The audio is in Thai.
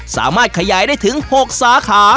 สามารถขยายได้ถึง๖สาขา